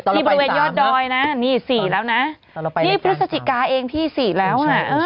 ที่บริเวณยอดดอยนะนี่๔แล้วนะนี่พฤศจิกาเองที่๔แล้วอ่ะ